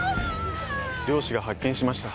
漁師が発見しました。